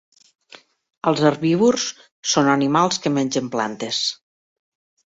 Els herbívors són animals que mengen plantes.